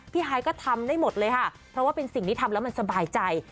ฮายก็ทำได้หมดเลยค่ะเพราะว่าเป็นสิ่งที่ทำแล้วมันสบายใจ